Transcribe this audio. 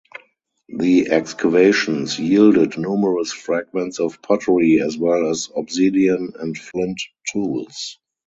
The excavations yielded numerous fragments of pottery as well as obsidian and flint tools.